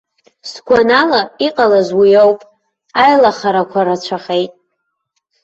Сгәанала, иҟалаз уиоуп, аилахарақәа рацәахеит.